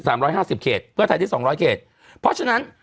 ก็ถ้าพี่โบพานที่๒๐๐เขตเพราะฉะนั้น